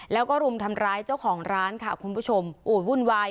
แล้วก็รุมทำร้ายเจ้าของร้านค่ะคุณผู้ชมโอ้ยวุ่นวาย